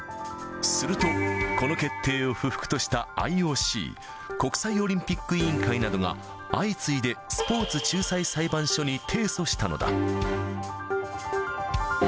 すると、この決定を不服としたＩＯＣ・国際オリンピック委員会などが、相次いでスポーツ仲裁裁判所に提訴したのだ。